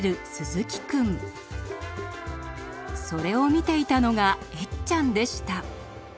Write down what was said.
それを見ていたのがエッちゃんでした。